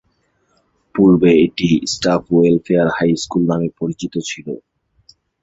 পূর্বে এটি staff welfare high school নামে পরিচিত ছিল।